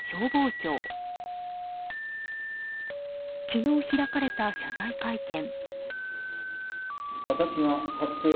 昨日開かれた謝罪会見。